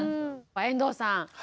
遠藤さん